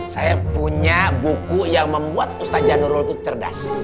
saya punya buku yang membuat ustaz janurul tuh cerdas